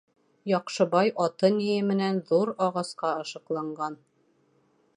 Яҡшыбай аты-ние менән ҙур ағасҡа ышыҡланған.